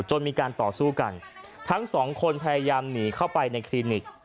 จนมีการต่อสู้กันทั้งสองคนพยายามหนีเข้าไปในคลินิก